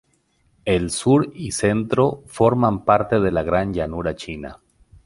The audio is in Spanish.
El sur y centro forman parte de la Gran Llanura China.